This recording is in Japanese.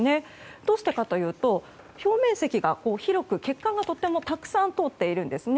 どうしてかというと表面積が広く血管がたくさん通っているんですね。